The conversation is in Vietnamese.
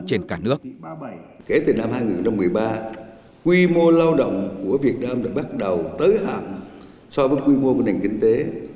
kể từ năm hai nghìn một mươi ba quy mô lao động của việt nam đã bắt đầu tới hạng so với quy mô của nền kinh tế